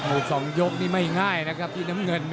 โอ้โห๒ยกนี่ไม่ง่ายนะครับที่น้ำเงิน